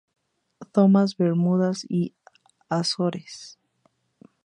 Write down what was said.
Thomas, Bermudas, y las Azores.